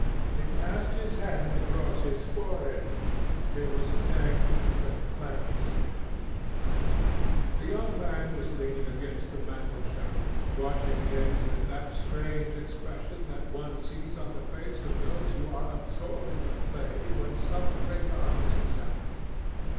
He passed his hand across his forehead. It was dank with clammy sweat. The young man was leaning against the mantelshelf, watching him with that strange expression that one sees on the faces of those who are absorbed in a play when some great artist is acting.